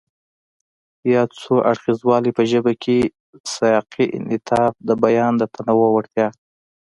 ياد څو اړخیزوالی په ژبه کې سیاقي انعطاف، د بیان د تنوع وړتیا،